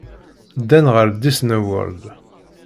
Ddan ɣer Disney World.